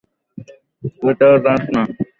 কোথাও যাস না।